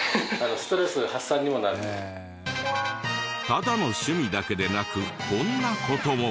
ただの趣味だけでなくこんな事も。